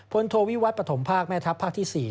โทวิวัตรปฐมภาคแม่ทัพภาคที่๔